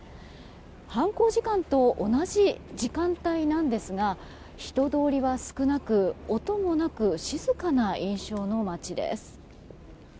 犯行時間と同じ時間帯なんですが人通りは少なく音もなく静かな印象の街です。